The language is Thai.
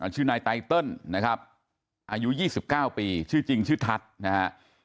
ชื่อนายไตเติลนะครับอายุ๒๙ปีชื่อจริงชื่อทัศน์นะฮะ